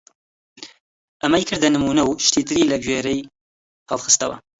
ئەمەی کردە نموونە و شتی تری لە گوێرەی هەڵخستەوە!